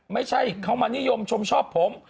ไม่ใช่เขามานิยมชมชอบผม